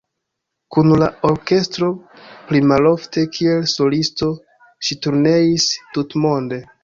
Kun la orkestro, pli malofte kiel solisto ŝi turneis tutmonde.